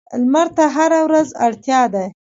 لمر ته هره ورځ اړتیا ده.